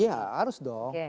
iya harus dong